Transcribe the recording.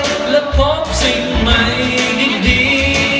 และพบสิ่งใหม่ดี